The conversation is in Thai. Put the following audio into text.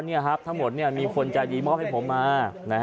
นี่ครับทั้งหมดมีคนใจดีมอบให้ผมมา